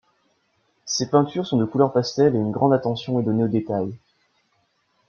Ces peintures sont de couleurs pastel et une grande attention est donnée aux détails.